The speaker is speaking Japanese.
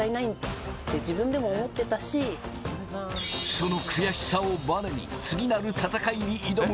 その悔しさをバネに次なる戦いに挑む。